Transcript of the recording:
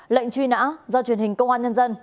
lệnh truy nã do truyền hình công an nhân dân